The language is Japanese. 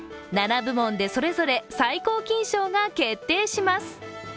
７部門でそれぞれ最高金賞が決定します。